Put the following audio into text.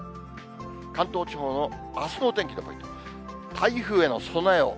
関東地方のあすのお天気のポイント、台風への備えを。